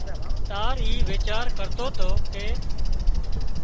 تار اي ويچار ڪرتو تو ڪي